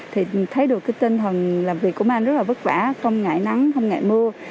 thì thấy được cái tinh thần làm việc công an rất là vất vả không ngại nắng không ngại mưa